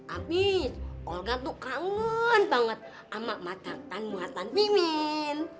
abis olga tuh kangen banget sama macetan muatan mimin